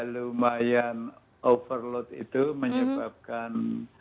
lumayan overload itu menyebabkan